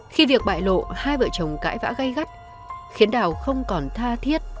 khi việc bại lộ hai vợ chồng cãi vã gây gắt khiến đào không còn tha thiết